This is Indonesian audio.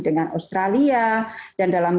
dengan australia dan dalam